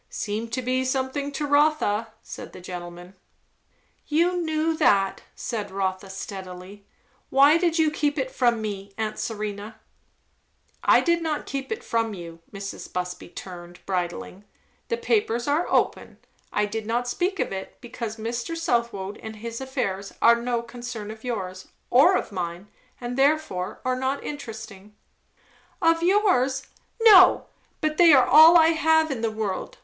"Seem to be something to Rotha," said the gentleman. "You knew that," said Rotha, steadily. "Why did you keep it from me, aunt Serena?" "I did not keep it from you," Mrs. Busby returned, bridling. "The papers are open. I did not speak of it, because Mr. Southwode and his affairs are no concern of yours, or of mine, and therefore are not interesting." "Of yours? No! But they are all I have in the world!"